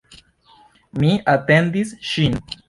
Mi atendis ŝin.